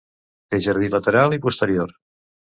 Té jardí lateral i posterior.